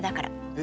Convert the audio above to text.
え？